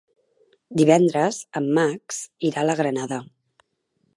Divendres en Max irà a la Granada.